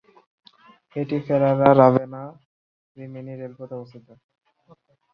এটি ফেরারা-রাভেনা-রিমিনি রেলপথে অবস্থিত।